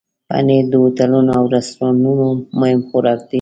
پنېر د هوټلونو او رستورانونو مهم خوراک دی.